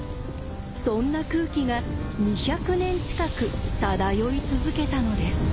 そんな空気が２００年近く漂い続けたのです。